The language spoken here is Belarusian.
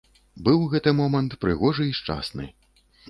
Быў гэты момант прыгожы і шчасны.